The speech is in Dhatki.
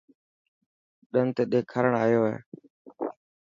ڏنت ڏيکارڻ ايو هي.